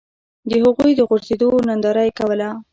د هغوی د غورځېدو ننداره یې کوله.